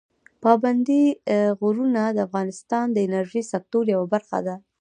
پابندي غرونه د افغانستان د انرژۍ سکتور یوه برخه ده.